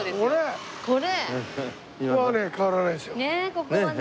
ここはね